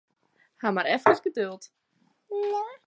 Haw mar efkes geduld.